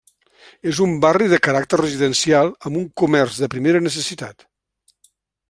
És un barri de caràcter residencial amb un comerç de primera necessitat.